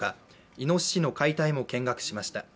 いのししの解体も見学しました。